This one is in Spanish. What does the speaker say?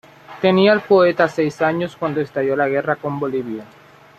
Tenía el poeta seis años cuando estalló la guerra con Bolivia.